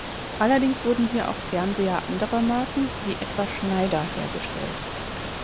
Allerdings wurden hier auch Fernseher anderer Marken, wie etwa Schneider, hergestellt.